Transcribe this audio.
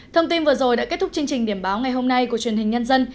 thông tin vừa rồi đã kết thúc chương trình điểm báo ngày hôm nay của truyền hình nhân dân